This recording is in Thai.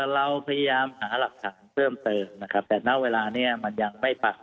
เราพยายามหารักษัตริย์ครับแต่นั่นเวลานี่มันยังไม่ปรากฏ